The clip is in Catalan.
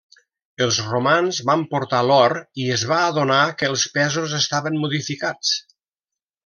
Els romans van portar l'or i es va adonar que els pesos estaven modificats.